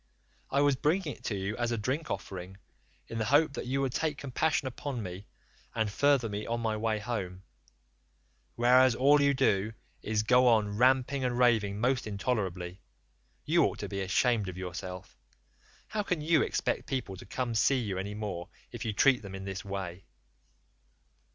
I was bringing it to you as a drink offering, in the hope that you would take compassion upon me and further me on my way home, whereas all you do is to go on ramping and raving most intolerably. You ought to be ashamed of yourself; how can you expect people to come see you any more if you treat them in this way?